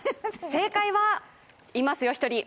正解はいますよ、１人。